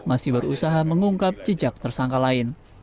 masih berusaha mengungkap jejak tersangka lain